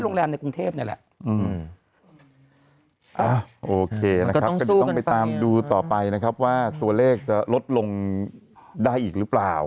โรงแรมในกรุงเทพนี่แหละอืมอ่าโอเคนะครับก็เดี๋ยวต้องไปตามดูต่อไปนะครับว่าตัวเลขจะลดลงได้อีกหรือเปล่า